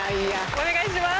お願いします。